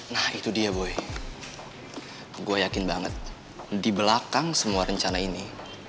nah itu dia boy gue yakin banget di belakang semua rencana ini